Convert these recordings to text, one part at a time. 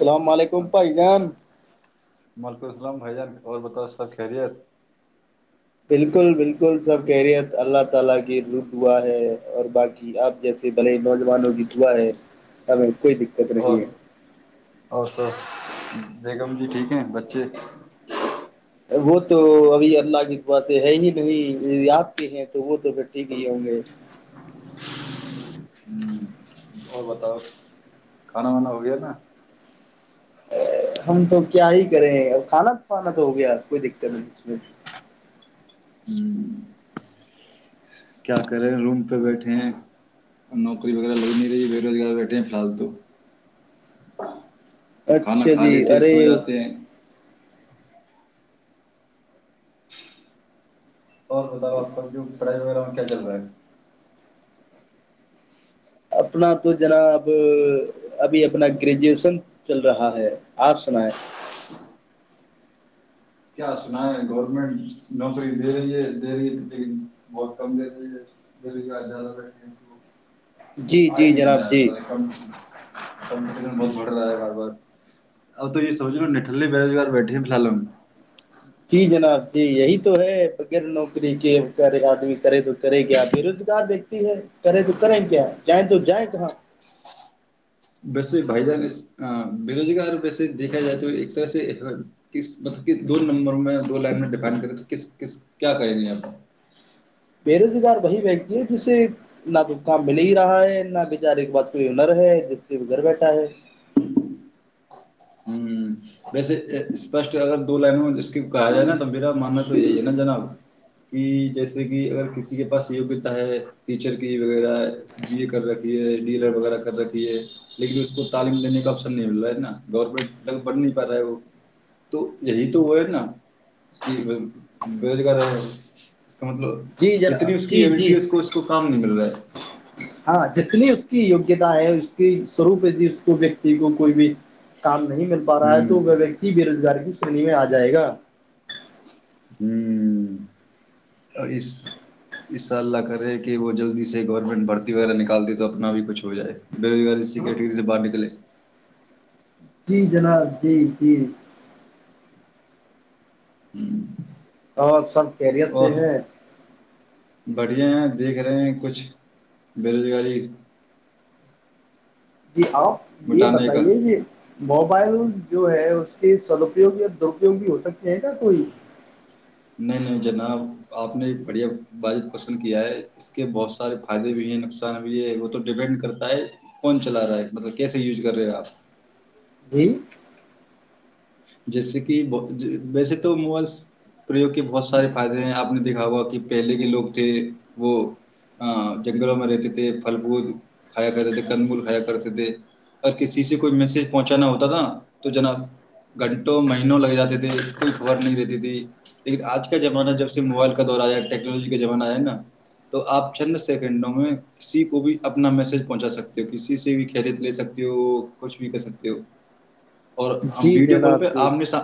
اللام علیکم بھائی جان وعلیکم السلام بھائی جان اور بتاؤ سب خیریت اور [inaudible] اور سر بیگم جی ٹھیک ہیں بچے وہ تو ابھی اللہ کی پاس ہے ہی نہیں آپ کے ہیں تو وہ تو پھر ٹھیک ہی ہوں گے ہوں، اور بتاؤ کھانا وانا ہو گیا نا ہم تو کیا ہی کریں اور کھانا پانا تو ہو گیا کوئی دقت نہیں اس میں ہوں، کیا کہ رہے ہیں روم پہ بیٹھے ہیں نوکری وغیرہ لگ نہیں رہی بے روزگار بیٹھے ہیں فی الحال تو کھانا اچھا کھا جی لیتے ہیں ارے سو جاتے ہیں اور بتاؤ آپ جو پڑائی وغیرہ کیا چل رہا ہے اپنا تو جناب ابھی اپنا گریجویشن چل رہا ہے آپ سنیں کیا سنا ہے گورنمنٹ نوکری دے رہی ہے دے رہی ہے لیکن بہت کم دے رہی ہے د ب زیادہ رہ رہی ہے تو جی آئی جی نہیں جناب جی ن کم کمن بہت بڑھ رہا ہے بار بار اب تو یہ سبی نٹھے بے روزگار بیٹھے ہیں فی الحالوں جی جناب جی یہی تو ہے بغیر نوکری کےغیر آدمی کرے تو کرے کیا بے روزگار ویکتی ہے کرے تو کریں کیا جائیں تو جائیں کہاں ویسے بھائی جان بے روزگار ویسے دیکھا جائے تو ایک طرح سے مطلب دو نمبر میں دو لائن میں ڈفڈ کرے تو کس کیا کہیں گے یہپ بے روزگار وہی ویکتی ہے جس سے نہ تو کام مل ہی رہا ہے نہ بچار ایک بات کوئی ہنر ہے جس سے وہ گھر بیٹھا ہے ہوں ویسے اسپشٹ اگر دو لائنوں میں ج کہا جائے نا تو میرا ماننا تو یہی ہے نا جناب کہ جیسے کہ اگر کسی کے پاس یگیہتا ہے ٹیچر کی وغیرہ بی اے کر رکھی ہے ڈیلر وغیرہ کر رکھی ہے لیکن اس کو تعلیم دینے کا آسن نہیں مل رہا ہے نا گورنمنٹ لگ بڑ نہیں پا رہا ہے وہ تو یہی تو وہ ہے نہ کہ بیروزگار مطلب جی جتنی جناب اس کی جی ایبلٹی جی اس کو اس کو کام نہیں مل رہا ہے ہاں جتنی اس کی یوگیتا ہے اس کی سوروپ اس کو ویکتی کو کوی بھی کام نہیں مل پا رہا ہے ہوں تو وہ ویکتی بے روزگاری شنی میں ا جایگا ہم اس اس اللہ کرے کہ وہ جلدی سے گورنمنٹ بھرتی وغیرہ نکال دے تو اپنا بھی کچھ ہو جائے بیروزگاری سی کٹگری سے باہر نکلے جی جناب جی جی اور سب خیریت سے اور ہیں بڑھیا ہیں دیکھ رہے ہیں کچھ بیروزگاری جی اپ یہ بتائیے یہ موبائل جو ہے اس کے سد اپیوگ یا دراپیوگ بھی ہو سکتے ہیں کیا کوئی نہیں نہیں جناب اپ نے بڑھیا موبایل پسند کیا ہے اس کے بہت سارے فائدے بھی ہیں نقصان بھی ہے وہ تو ڈیپینڈ کرتا ہے کون چلا رہا ہے مطلب کیسے یوز کر رہے آپ جی جیسے کہ ویسے تو موبائل پریوگ کے بہت سارے فائدے ہیں اپ نے دیکھا ہوا کہ پہلے کے لوگ تھے وہ جنگلوں میں رہتے تھے پھل پھول کھایا کرتے تھے کند مول کھایا کرتے تھے اور کسی سے کوئی میسج پہنچانا ہوتا تھا تو جناب گھنٹوں مہینوں لگ جاتے تھے کوئی خبر نہیں رہتی تھی لیکن آج کا زمانہ جب سے موبائل کا دور آیا ٹیکنالوجی کا زمانہ آیا نہ تو آپ چند سیکنڈوں میں کسی کو بھی اپنا میسج پہنچا سکتے ہو کسی سے بھی خیریت لے سکتے ہو کچھ بھی کر سکتے ہو اور ہم جی ویڈیو کال جناب پہ جی امنے سا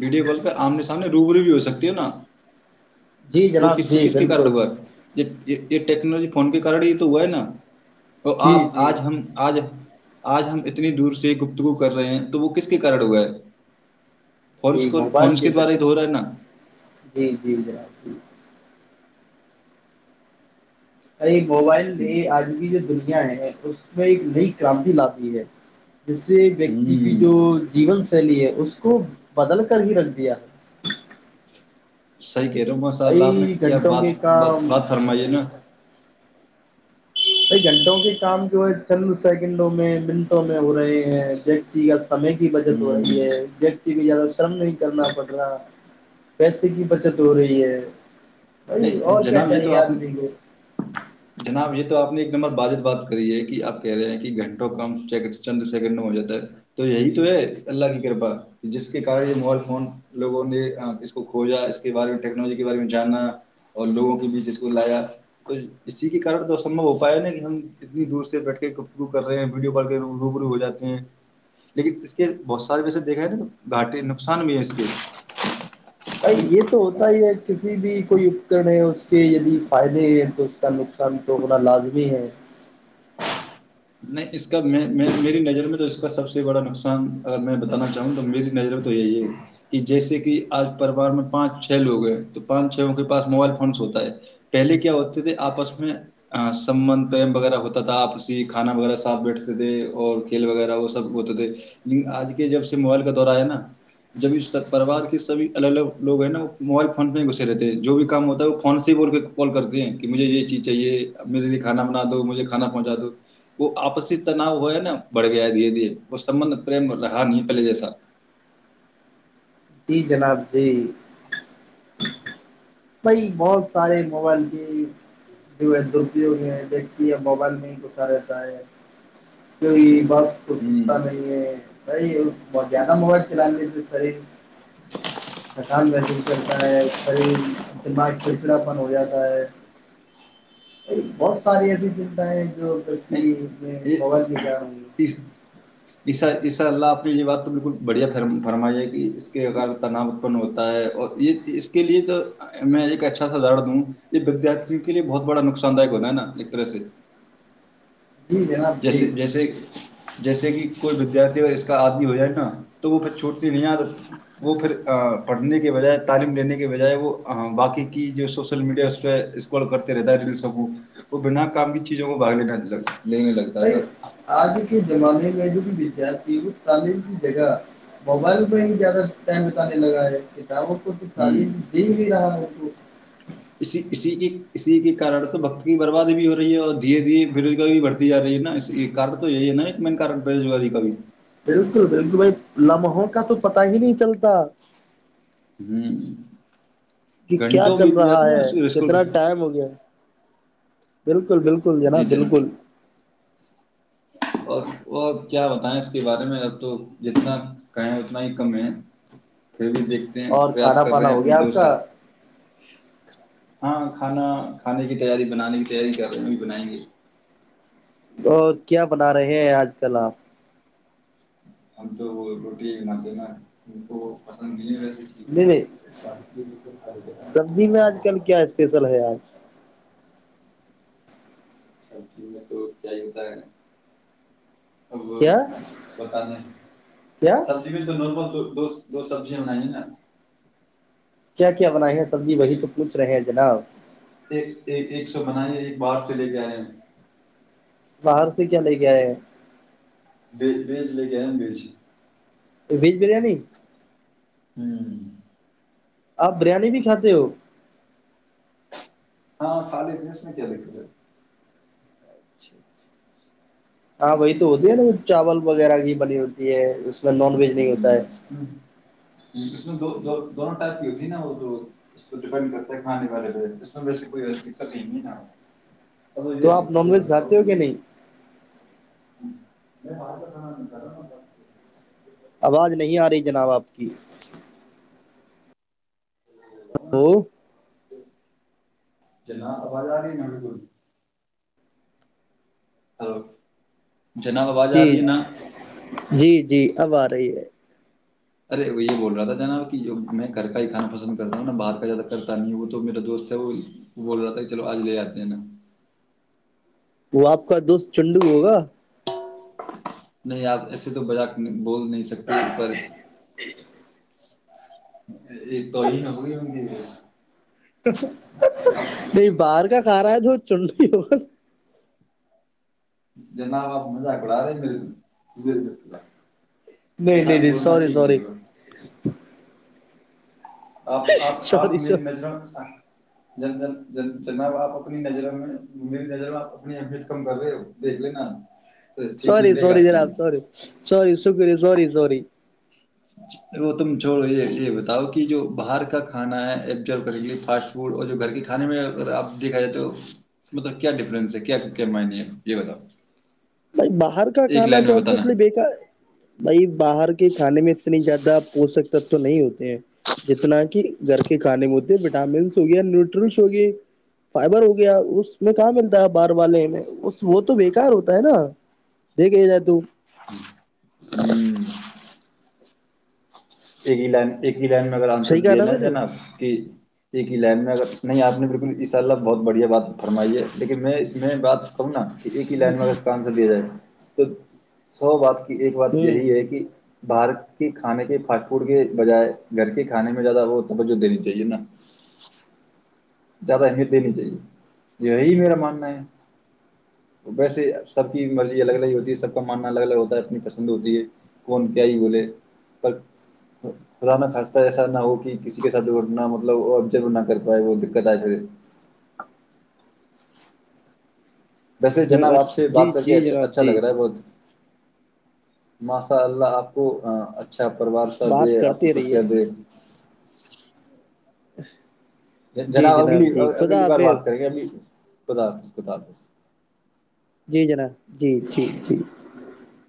ویڈیو کال پہ آمنے سامنے روبرو بھی ہو سکتے ہے نہ جی وہ جناب کسی جی کس کے کارن بالکل ہوا یہ ٹیکنالوجی فون کے کارن یہ تو ہوا ہے نہ تو جی اپ جی اج ہم اج آج ہم اتنی دور سے گفتگو کر رہے ہیں تو وہ کس کے کارن ہوا ہے جی فونس کو موبائل فونس کے دوارا ہی کےذریعے تو ہو رہا ہے نا جی جی جناب جی [inaudible] موبائل بھی اج بھی جو دی ہیں اس میں ایک نئی کرانتی لاتی ہے جس سے ویکتی کی ہوں جو جیون چلیے اس کو بدل کر ہی رکھ دیا [inaudible] سہی کہ رہے ماشاء اللہ اپ نے کئی کیا گھنٹوں بات کے کام بات فرمای ہے نہ بھای گھنٹوں کے کام جو ہے چند سیکنڈوں میں منٹوں میں ہو رہے ہیں دیکھتی سمے کی بچت ہو ہوں رہی ہے ویکتی کی زیادہ شرم نہیں کرنا پڑ رہا پیسے کی بچت ہو رہی ہے بھائی نہیں اور کیا جناب یہ تو چاہیے اپ آدمی کو جناب یہ تو آپ نے ایک نمبر واجب بات کری ہے کے اپ کہ رہے ہیں کہ گھنٹوں کم چند سیکنڈ میں ہو جاتا ہے تو یہی تو ہے اللہ کی کرپا جس کے کارن یہ موبائل فون لوگوں نے اس کو کھوجا اس کے بارے میں ٹیکنالوجی کے بارے میں جانا اور لوگوں کے بیچ اس کو لایا تو اسی کے کارن تو سمبھو ہو پایا نہ کہ ہم اتنی دور سے بیٹھ کے گفتگو کر رہے ہیں ویڈیو کال کر روبرو ہو جاتے ہیں لیکن اس کے بہت سارے ویسے دیکھا ہے نہ گھاٹے نقصان بھی ہے اس کے بائی یہ تو ہوتا ہی ہے کسی بھی کوئی کت نہیں اس کے یدی فائدے ہیں تو اس کا نقصان تو ہونا لازمی ہے نہیں اس کا میری نظر میں تو اس کا سب سے بڑا نقصان اگر میں بتانا چاہوں تو میری نظر میں تو یہی ہے کہ جیسے کہ آج پوار میں پانچ چھ لوگ ہیں تو پانچ چھ کے پاس موبائل فونس ہوتا ہے پہلے کیا ہوتے تھے آپس میں سبھ پم وغیرہ ہوتا تھا آپس کھانا وغیرہ صاتھ بیٹھتے تھے اور کھیل وغیرہ وہ سب ہوتے تھے لیکن آج کے جب سے موبائل کا دورہ ہے نا جبب پرریوار کے سھی الگ الگ لوگ ہیں نا وہ موبائل فون پ ہی گھسے رہتے ہیں جو بھی کام ہوتا ہے وہ فون سے ہی بول کے کال کرتے ہیں کہ مجھے یہ چیز چاہیے میرے لیے کانا بنا دو مجھے کھانا پہنچا دو وہ آپسی تناؤ ہو ہے نا بڑھ گیا دھیے دھیے وہ سمبند پرریم رہا نہیں پہلے جیسا جی جناب جی بئی بہت سارے موبائل کے جو ہے درپیگ ہیں دیکھتی ہے موبائل میں ہی گھا رہتا ہے کی بہت ہوں اسکتا نہیں ہے بھائی بہت زیادہ موبائل چلانے سح [unintelligible] تھکان محسوس کرتا ہے شریر دماغ چڑچڑاپن ہو جاتا ہے یہ بہت ساری ایسی چتایں نہیں تی میں بگت نہیں ج رہوں گی [inaudible] یہ عیسا عیسا اللہ آپ آنی یہ بات تو بالکل بڑھیا فرمائی ہے کہ اس کے اار تناؤ اتپن ہوتا ہے اور یہ اس کے لیے تو میں ایک اچھا سا درد ہوں یہ ودارتھیوں کے لیے بہت بڑا نقصان داک ہوتا ہے نا ایک طرح سے جی جناب ج جیسے جیسے جیسے کہ کوئی ودیارتی اگر اس کا عادی ہو جائے نا تو وہ پھر چھوٹتی نہیں ہے عادت وہ پھر پڑھنے کے بجائے تعلیم لینے کے بجائے وہ باقی کی جو سوشل میڈیا اس پہ اسکرول کرتے رہتا ہے انسٹا کو وہ بنا کام کی چیزوں کو بھگ نے گتا ہیں بائی آج کے زمانے میں جوک ودارتھی ک تعلیم کی جگہ موبائل پہ ہی زیادہ ٹائم بتانے لگا ہے [inaudible] دعوتوں کی ہوں تعلیم دی نہیں رہا ہے ان کو اسی اسی کے اسی کے کن تو بکت کی برباد بھی ہو رہی ہے اور دھیرے دھیرے بےروزگاری بھی بڑھتی ج رہی ہے نا اسی ایک کارن تو یہی ہے نا ایک مین کادن بےروزگاری کا بھی بالکل بالکل بھائی لمحوں کا تو پتا ہی نہیں چلتا ہ [unintelligible] کہ کیا چل رہا ہے کتنا کے۔ ٹائم ہو گیا بالکل [unintelligible] بالکل بالکل جناب بالکل اور وہ کیا بتائیں اس کے بارے میں اب تو جتنا کہیں اتنا ہی کم ہے پھر بھی دیکھتے ہیں اور پریاس کھانا کر رہے پانا ہیں ہو اپنی گیا طور آپ کا سے ہاں کھانا کھانے کی تیاری بنانے کی تیاری کر رہے ہے ابھی ابھی بنائیں گے اور کیا بنا رہے ہیں آج کل آپ ہم تو وہ روٹی م جینا ان کو پسند نہیں ہے وس نہیں نہیں لیتے ہیں سبزی میں آج کل کیا اسپیشل ہے آج سبزی میں تو کیا ہی بتائیے اب کیا پتا نہیں کیا سبزی میں تو نارمل دو دو سبزیاں بنانی ہے نا کیا کیا بنائے ہیں سبزی وہی تو پچ رہے گ جناب ایک ایک ایک سو بنائی ہے ایک باہار سے لے کے آئے ہے باہر سے کیا لے کے آئے ہیں بی بیچ لے کےم بیچ [inaudible] ویج بریانی ہمم آپ بریانی بھی کھاتے ہو ہاں کھا لیتے ہیں اس میں کیا دقت ہے ہاں وہی تو ہوتی ہے نا وہ چاول وغیرہ کی بنی ہوتی ہے اس میں نان ویج نہیں ہوتا ہے جس میں دو دونوں ٹائپ کی ہوتی ہے نا وہ تو اس ڈپینڈ کرتا ہے کہنے والے ہے اس میں ویس کوئی دقت نہیں نا اے تو آپ نان ویج گ اور کھاتے ہو کہ کی نہیں ہ [inaudible] میں باہر کا کھانا نہیں کھاتا مطلب آواز نہیں آ رہی جناب آپ کی ہلو جناب آباز آ رہ مل کوئی ہ جناب آواز آ جی رہی ہے نا جی جی اب آ رہی ہے ارے وہ یہ بول رہا تھا ج نا کہ جو میں گھر کا ہی کھانا پسند کرتا ہوں نا باہر کا زیادہ کرتا نہیں وہ تو میرا دوست ہے وہ بول رہا تھا چلو آج لے آتے ہیں نا وہ آپ کا دوست چنڈو ہوگا نہیں آپ ایسے تو بج بول نہیں سکتے س پر یہ تو ہی نہ ہوی ہوں گیس تو نہیں باہر کا کارا دوچوںڈ ہو ج ن باپ مے اکڑ آ رہے مے کا نہیں ایسا نہیں نہیں سی بولنا ٹھیک سور نہیں ہوگا آپ آپ آپ سوری م م جن ج ج جناب آپ اپنی نظر میں میری نظر میں آپ اپنی امیت کم کر رہے ہو دیکھ لینا ٹھیک سور نہیں رہے سور گا آپ کے جرااب سور لیے سور ش سوری سوری وہ تم چھوڑو یہ یہ بتاؤ کہ جو باہر کا کھانا ہے ابزر کر فاسٹ فڈ اور جو گھر کے کھانے میں اگر آپ دیکھا جائے تو مطلب کیا ڈفرنس ہے کیا معنی یہ بتاؤ بھ باہر کا ایک کھانا لائن تو میں بتانا ابویسلی بےیکار ہے بائی باہر کے کھانے میں اتنے زیادہ پوشک تتو نہیں ہوتے ہیں جتنا کہ گھر کے کھانے میں ہوتے ہیں وٹامنس ہو گیا نیوٹرلس ہو گی فائبر ہو گیا اس میں کہاں ملتا ہے باہر والے میں وہ تو بیکار ہوتا ہے نا دیک کہ ج ت ایکگی لین ایک لن میں اگر آنسر صحیح کہا دیا نا میں نے جناب کہ ایک ہی لائن میں اگر نہیں آپ نے بالکل اس شاء اللہ بہت بڑھیا بات فرمائی ہے لیکن میں میں بات کہوں نا ایک ہی لینن مارک اسکان سے دیا جائے تو سو بات ایک بات ہوں یہی ہے کہ بھارت کی کھانے کے فاٹ بجائے گھر کے کھانے میں زیادہ وہ توجہ دینی چاہیے نا زیادہ اہمیت دینی چاہیے یہی میرا ماننا ہے ویسے سب کی مرضی الگ الگ ہوتی ہے سب کا ماننا الگ الگ ہوتا ہے اپنی پسند ہوتی ہے کون کیا ہی بولے پر خد نہ خواستہ ایسا نہ ہو کہ کسی کے ساتھ دوٹنا مطلب آبزرو نہ کر پائے وہ دقت آئے پھر ویسے جناب آپ سے جی بات کر کے جی جناب اچھا لگ جی رہا ہے بہت ماشاء اللہ آپ کو اچھا پروار سبھ دے بات آپنی کرتے خوشیاں رہیے د ا [unintelligible] جناب اگلی اگلی بار بات کریں گے ابھی خدا حافظ خدا حافظ جی جناب جی جٹی جی